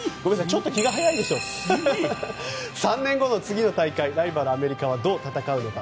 ちょっと気が早いですが３年後の次の大会ライバル、アメリカはどう戦うのか。